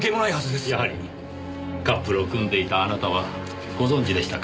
やはりカップルを組んでいたあなたはご存じでしたか。